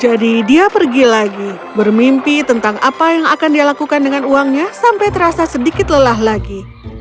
jadi dia pergi lagi bermimpi tentang apa yang akan dia lakukan dengan uangnya sampai terasa sedikit lelah lagi